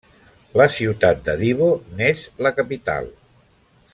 La ciutat de Divo n'és la capital.